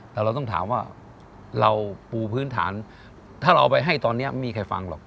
แต่เราต้องถามว่าเราปูพื้นฐานถ้าเราเอาไปให้ตอนนี้มีใครฟังหรอก